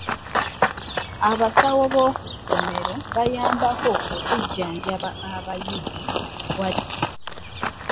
Abasawo b'oku ssomero bayamba okujjanjaba abayizi abalwadde.